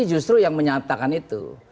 justru yang menyatakan itu